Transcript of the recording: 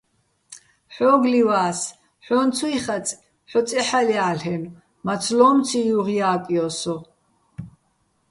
ჰ̦ო́გო̆ ლივა́ს, ჰ̦ო́ჼ ცუჲ ხაწე̆, ჰ̦ო წეჰ̦ალჲა́ლ'ენო̆, მაცლო́მციჼ ჲუღჲა́კჲო სო!